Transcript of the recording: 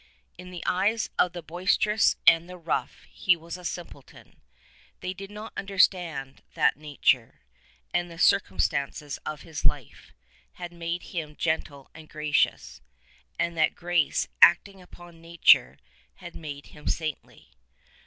In the eyes of the boisterous and the rough he was a simpleton. They did not understand that 139 nature, and the circumstances of his life, had made him gentle and gracious, and that grace acting upon nature had made him saintly.